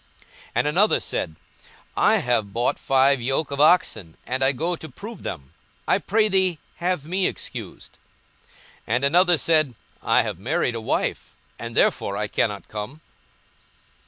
42:014:019 And another said, I have bought five yoke of oxen, and I go to prove them: I pray thee have me excused. 42:014:020 And another said, I have married a wife, and therefore I cannot come.